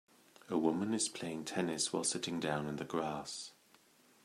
A woman is playing tennis while sitting down in the grass.